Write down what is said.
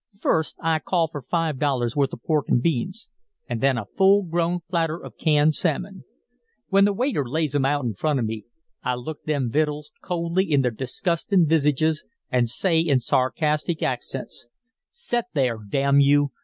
"First, I call for five dollars' worth of pork an' beans an' then a full grown platter of canned salmon. When the waiter lays 'em out in front of me, I look them vittles coldly in their disgustin' visages, an' say in sarcastic accents: "'Set there, damn you!